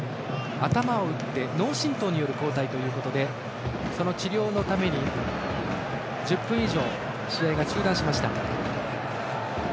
頭を打って脳震とうによる交代ということでその治療のために１０分以上試合が中断しました。